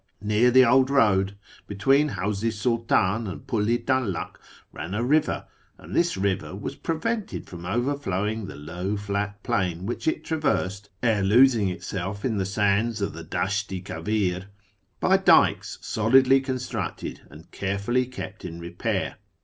Near he old road, between Hawz i Sultan and Pul i Dallak, ran a iver, and this river was prevented from overflowing the low at plain which it traversed, ere losing itself in the sands of he Dasht i Ivavir, by dykes solidly constructed and carefully ept in repair.